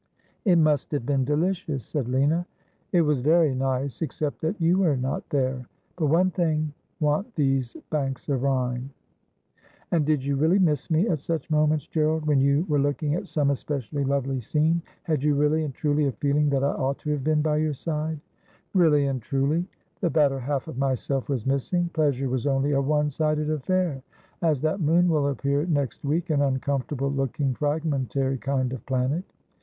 ' It must have been delicious,' said Lina. ' It was very nice — except that you were not there. " But one thing want these banks of Rhine." '' And did you really miss me at such moments, Gerald ? When you were looking at some especially lovely scene, had you really and truly a feeling that I ought to have been by your side?' 'Not for your Linage, ne for your MichesseJ 169 ' Really and truly ; the better half of myself was missing. Pleasure was only a oue sided affair, as that moon will appear next week — an uncomfortable looking fragmentary kind of planet.'